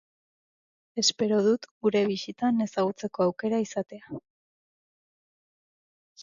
Espero dut gure bisitan ezagutzeko aukera izatea.